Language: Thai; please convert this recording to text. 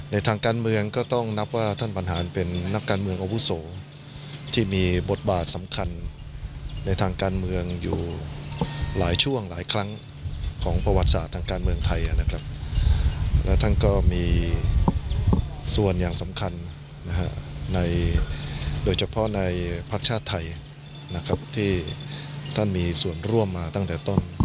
ทางการเมืองก็ต้องนับว่าท่านบรรหารเป็นนักการเมืองอาวุโสที่มีบทบาทสำคัญในทางการเมืองอยู่หลายช่วงหลายครั้งของประวัติศาสตร์ทางการเมืองไทยนะครับและท่านก็มีส่วนอย่างสำคัญโดยเฉพาะในภักดิ์ชาติไทยนะครับที่ท่านมีส่วนร่วมมาตั้งแต่ต้น